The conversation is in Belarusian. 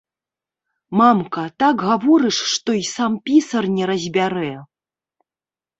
Мамка, так гаворыш, што і сам пісар не разбярэ.